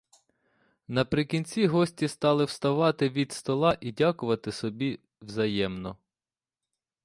Наприкінці гості стали вставати від стола і дякувати собі взаємно.